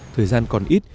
thời gian còn ít